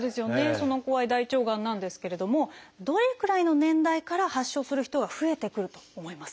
その怖い大腸がんなんですけれどもどれくらいの年代から発症する人が増えてくると思いますか？